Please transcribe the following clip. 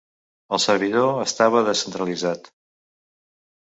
El servidor estava descentralitzat.